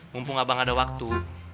mumpung abang ada waktu